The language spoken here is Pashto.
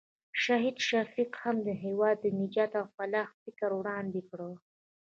شهید شفیق هم د هېواد د نجات او فلاح فکر وړاندې کړ.